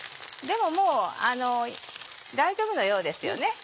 でももう大丈夫なようですよね。